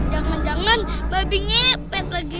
jangan jangan babi ngepet lagi